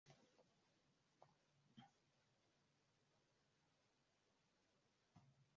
Kisiwa cha Pemba kinasifika kwa maeneo tajiri ya uvuvi wa samaki wa baharini